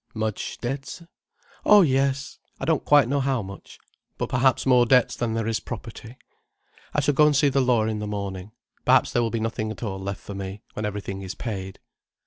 "Much debts?" "Oh yes! I don't quite know how much. But perhaps more debts than there is property. I shall go and see the lawyer in the morning. Perhaps there will be nothing at all left for me, when everything is paid."